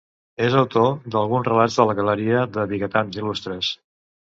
És autor d’alguns relats de la Galeria de Vigatans Il·lustres.